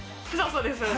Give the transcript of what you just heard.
そうです